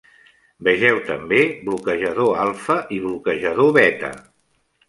"Vegeu també: bloquejador alfa i bloquejador beta".